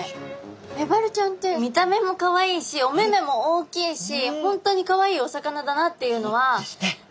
メバルちゃんって見た目もかわいいしお目々も大きいし本当にかわいいお魚だなっていうのは。